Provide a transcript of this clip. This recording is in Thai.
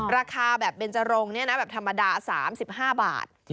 ราคาแบบเบนจรงแบบธรรมดา๓๕บาท